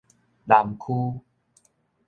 南區